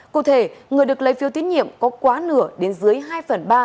cụ thể người được lấy phiêu tiến nhiệm có quá nửa đến dưới hai phần ba